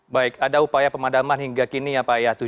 baik ada upaya pemadaman hingga kini ya pak ya